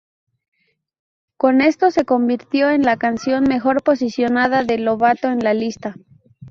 Con esto, se convirtió en la canción mejor posicionada de Lovato en la lista.